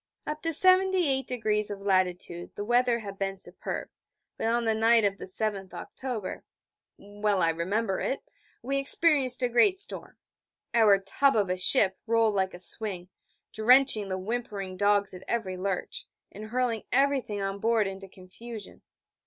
Up to 78° of latitude the weather had been superb, but on the night of the 7th October well I remember it we experienced a great storm. Our tub of a ship rolled like a swing, drenching the whimpering dogs at every lurch, and hurling everything on board into confusion.